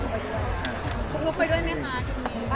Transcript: พี่เอ็มเค้าเป็นระบองโรงงานหรือเปลี่ยนไงครับ